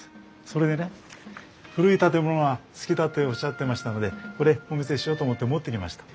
それでね古い建物が好きだっておっしゃってましたのでこれお見せしようと思って持ってきました。